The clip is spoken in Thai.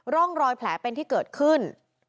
ร่องรอยแผลเป็นที่เกิดขึ้น